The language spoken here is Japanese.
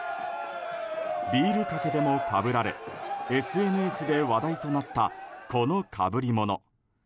ビールかけでもかぶられＳＮＳで話題となったこの、かぶりもの。